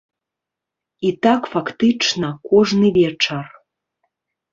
І так фактычна кожны вечар.